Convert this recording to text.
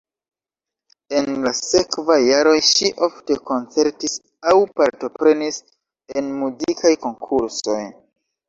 En la sekvaj jaroj ŝi ofte koncertis aŭ partoprenis en muzikaj konkursoj.